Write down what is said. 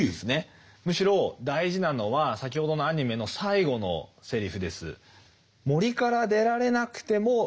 むしろ大事なのは先ほどのアニメの最後のセリフです。